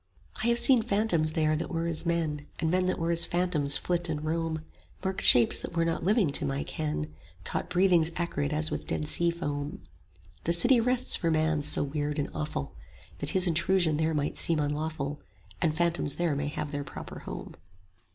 I have seen phantoms there that were as men 15 And men that were as phantoms flit and roam; Marked shapes that were not living to my ken, Caught breathings acrid as with Dead Sea foam: The City rests for man so weird and awful, That his intrusion there might seem unlawful, 20 And phantoms there may have their proper home.